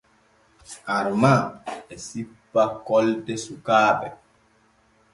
Arman e sippa kolte sukaaɓe.